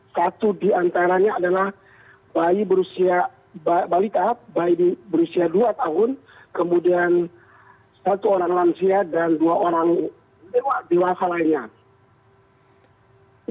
satu diantaranya adalah bayi berusia dua tahun kemudian satu orang lansia dan dua orang dewasa lainnya